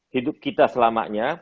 hidup kita selamanya